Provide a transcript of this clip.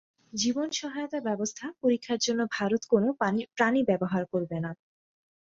জীবন সহায়তা ব্যবস্থা পরীক্ষার জন্য ভারত কোন প্রাণী ব্যবহার করবে না।